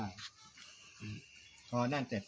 มันบอกโทรศัพท์ไม่มีเงินลุงมีโทร